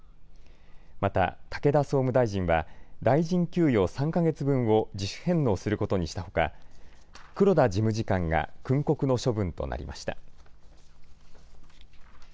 また武田総務大臣は大臣給与３か月分を自主返納することにしたほか黒田事務次官が訓告の処分となりました。